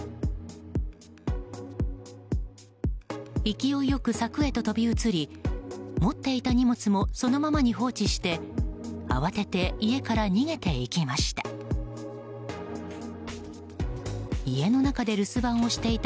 勢いよく柵へと飛び移り持っていた荷物もそのままに放置して慌てて家から逃げていきました。